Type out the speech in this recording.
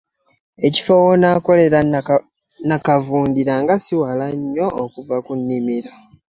Ekifo w'onaakolera nnakavundira nga ssi wala nnyo okuva ku nnimiro.